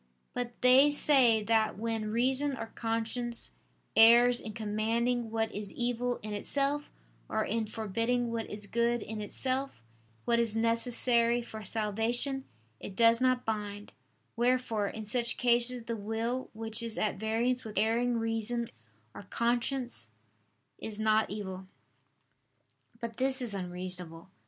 But they say that when reason or conscience errs in commanding what is evil in itself, or in forbidding what is good in itself and necessary for salvation, it does not bind; wherefore in such cases the will which is at variance with erring reason or conscience is not evil. But this is unreasonable.